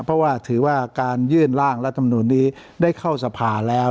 เพราะว่าถือว่าการยื่นร่างรัฐมนุนนี้ได้เข้าสภาแล้ว